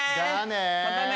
またね！